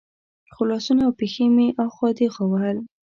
خو لاسونه او پښې مې اخوا دېخوا وهل.